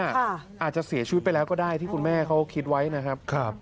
อาจจะเสียชีวิตไปแล้วก็ได้ที่คุณแม่เขาคิดไว้นะครับ